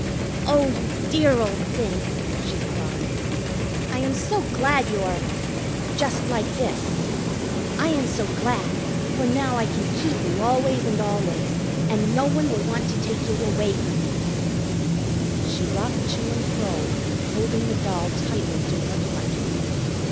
"Oh, you dear old thing!" she cried. "I am so glad you are just like this. I am so glad, for now I can keep you always and always, and no one will want to take you away from me." She rocked to and fro, holding the doll tightly to her heart.